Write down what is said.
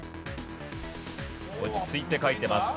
落ち着いて書いてます。